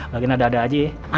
lagian ada ada aja ya